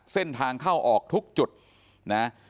เส้นทางเข้าออกทุกจุดนะ